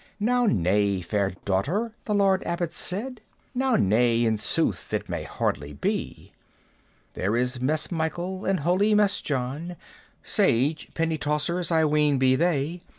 "Now naye, fair daughter," the Lord Abbot said, "Now naye, in sooth it may hardly be. "There is Mess Michael, and holy Mess John, Sage penitauncers I ween be they!